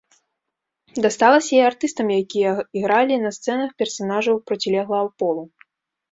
Дасталася і артыстам, якія ігралі на сцэнах персанажаў процілеглага полу.